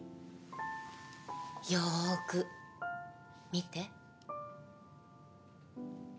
よーく見て。